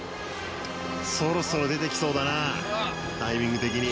そろそろ出てきそうだな、タイミング的に。